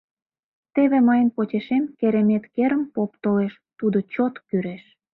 Теве мыйын почешем керемет-керым поп толеш, тудо чо-от кӱреш...